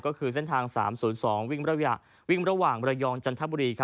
ก็คือเส้นทาง๓๐๒วิ่งระหว่างระยองจันทบุรี